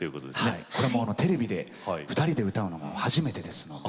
はいこれもテレビで２人で歌うのも初めてですので。